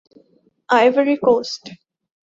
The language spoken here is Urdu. Ivory Coast